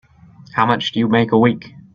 How much do you make a week?